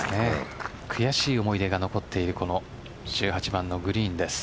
悔しい思い出が残っているこの１８番のグリーンです。